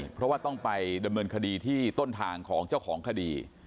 เพราะว่าต้องไปดำเนินคดีที่ต้นทางของเจ้าของคดี